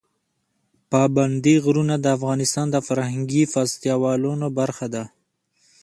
پابندي غرونه د افغانستان د فرهنګي فستیوالونو برخه ده.